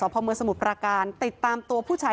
พมสมุทรปราการติดตามตัวผู้ชาย